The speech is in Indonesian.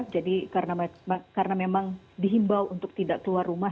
jadi karena memang dihimbau untuk tidak keluar rumah